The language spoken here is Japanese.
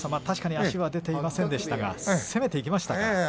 確かに足は出ていませんでしたが攻めていきましたからね。